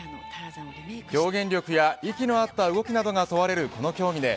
表現力や息の合った動きなどが問われるこの競技で